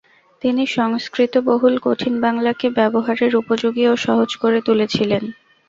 তিনি সংস্কৃত বহুল কঠিন বাংলাকে ব্যবহারের উপযোগী ও সহজ করে তুলেছিলেন।